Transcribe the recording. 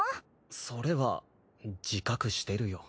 それは自覚してるよ。